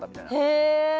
へえ！